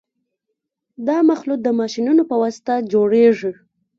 دا مخلوط د ماشینونو په واسطه جوړیږي